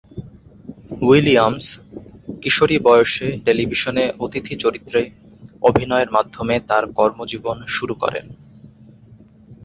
Williams কিশোরী বয়সে টেলিভিশনে অতিথি চরিত্রে অভিনয়ের মাধ্যমে তার কর্মজীবন শুরু করেন।